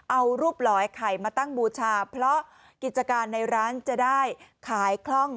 เอารูปหลอยไข่มาตั้งบูชาเพราะกิจการในร้านจะได้ขายคล่อง